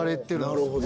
なるほど。